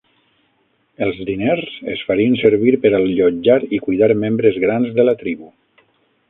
Els diners es farien servir per allotjar i cuidar membres grans de la tribu.